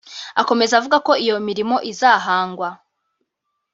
Akomeza avuga ko iyo mirimo izahangwa